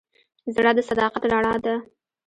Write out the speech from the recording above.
زړه د صداقت رڼا ده.